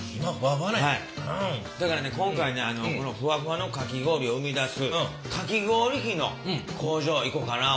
だから今回ねこのふわふわのかき氷を生み出すかき氷機の工場行こかな思ってますねん。